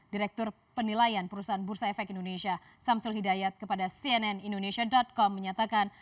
direktur penilaian perusahaan bursa efek indonesia samsul hidayat kepada cnn indonesia com menyatakan